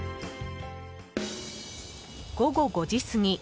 午後５時過ぎ。